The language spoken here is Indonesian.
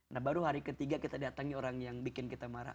nah baru hari ketiga kita datangi orang yang bikin kita marah